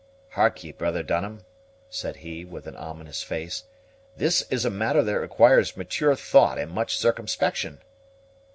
"Hark'e, brother Dunham," said he, with an ominous face, "this is a matter that requires mature thought and much circumspection."